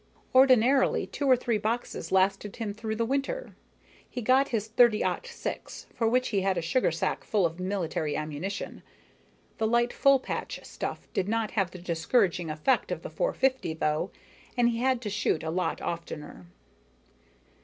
Ordinarily, two or three boxes lasted him through the winter. He got his .30 06, for which he had a sugar sack full of military ammunition. The light full patch stuff did not have the discouraging effect of the .450, though, and he had to shoot a lot oftener.